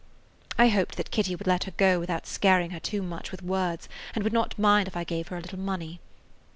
I hoped that Kitty would let her go without scarring her too much with words and would not mind if I gave her a little money.